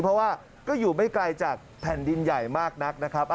เพราะว่าก็อยู่ไม่ไกลจากแผ่นดินใหญ่มากนักนะครับ